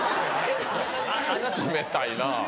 冷たいな。